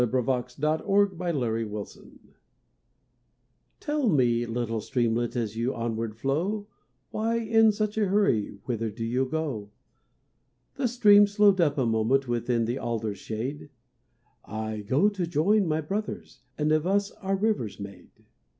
Rainy Day! *THE STREAMLET* Tell me little streamlet, As you onward flow; Why in such a hurry, Whither do you go? The stream slowed up a moment Within the alder's shade; "I go to join my brothers, And of us are rivers made.